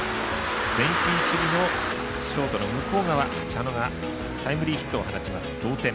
前進守備のショートの向こう側茶野がタイムリーヒットを放ちます、同点。